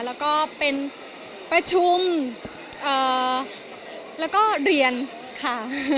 แล้วก็เป็นประชุมแล้วก็เรียนค่ะ